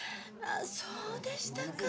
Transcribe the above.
☎そうでしたか。